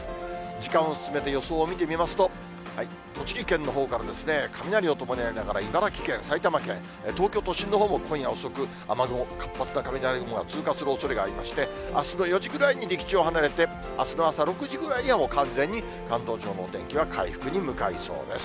時間を進めて予想を見てみますと、栃木県のほうから、雷を伴いながら茨城県、埼玉県、東京都心のほうも、今夜遅く、雨雲、活発な雷雲が通過するおそれがありまして、あすの４時ぐらいに陸地を離れて、あすの朝６時ぐらいには、もう完全に関東地方のお天気は回復に向かいそうです。